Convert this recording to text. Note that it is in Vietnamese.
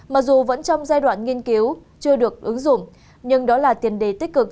mặc dù vẫn trong giai đoạn nghiên cứu chưa được ứng dụng nhưng đó là tiền đề tích cực